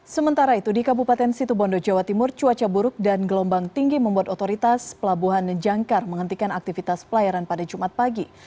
sementara itu di kabupaten situbondo jawa timur cuaca buruk dan gelombang tinggi membuat otoritas pelabuhan jangkar menghentikan aktivitas pelayaran pada jumat pagi